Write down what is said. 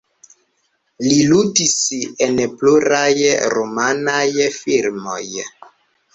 Li ludis en pluraj rumanaj filmoj.